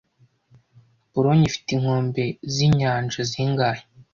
Polonye ifite inkombe zinyanja zingahe